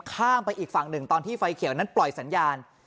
ข้ามไปอีกฝั่งหนึ่งตอนที่ไฟเขียวนั้นปล่อยสัญญาณ